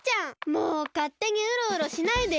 もうかってにうろうろしないでよ！